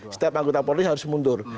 setiap anggota polri harus mundur